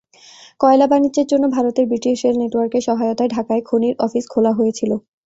কয়লা বাণিজ্যের জন্য ভারতের ব্রিটিশ রেল নেটওয়ার্কের সহায়তায় ঢাকায় খনির অফিস খোলা হয়েছিল।